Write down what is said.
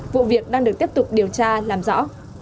vụ việc đang được tiếp tục điều tra làm rõ